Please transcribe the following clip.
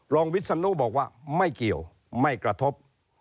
วิศนุบอกว่าไม่เกี่ยวไม่กระทบ